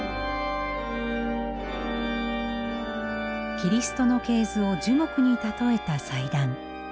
キリストの系図を樹木に例えた祭壇。